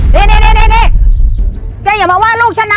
นี่เมื่อกี้อย่ามาว่าลูกชั้นนะ